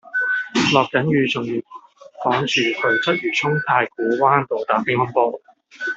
落緊雨仲要趕住去鰂魚涌太古灣道打乒乓波